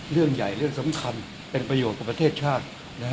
เรื่องใหญ่เรื่องสำคัญเป็นประโยชน์กับประเทศชาติ